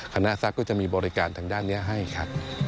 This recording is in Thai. คณะทรัพย์ก็จะมีบริการทางด้านนี้ให้ค่ะ